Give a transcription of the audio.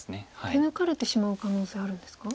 手抜かれてしまう可能性あるんですか？